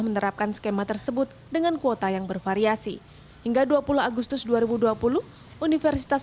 menerapkan skema tersebut dengan kuota yang bervariasi hingga dua puluh agustus dua ribu dua puluh universitas